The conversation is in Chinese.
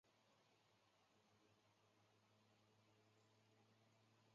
楮头红为野牡丹科肉穗草属下的一个种。